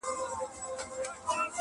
چي یوه ژبه لري هغه په دار دی,